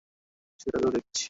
সেটা তো দেখছি।